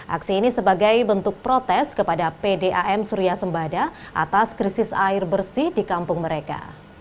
aksi ini sebagai bentuk protes kepada pdam surya sembada atas krisis air bersih di kampung mereka